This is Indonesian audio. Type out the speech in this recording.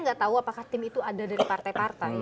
nggak tahu apakah tim itu ada dari partai partai